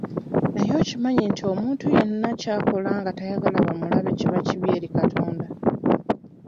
Naye okimanyi nti omuntu yenna ky'akola nga tayagala bamulabe kiba kibi eri Katonda?